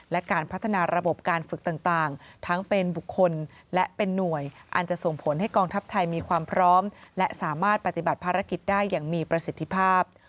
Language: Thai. และการพัฒนาระบบการฝึกต่างทั้งเป็นบุคคลและเป็นหน่วยอันจะส่งผลให้กองทัพไทยมีความพร้อมและสามารถปฏิบัติภารกิจได้อย่างมีประสิทธิภาพ